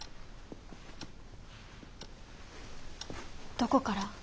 どこから？